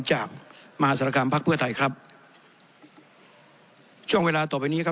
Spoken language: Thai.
จากมหาศาลกรรมพักเพื่อไทยครับช่วงเวลาต่อไปนี้ครับ